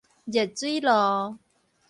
熱水爐